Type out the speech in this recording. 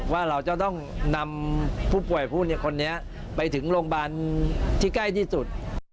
ว่าเราจะต้องนำผู้ป่วยผู้คนนี้ไปถึงโรงพยาบาลที่ใกล้ที่สุด